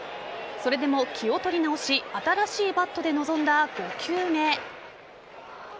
それでも気を取り直し新しいバットで臨んだ５球目。